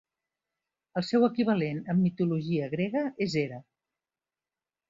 El seu equivalent en mitologia grega és Hera.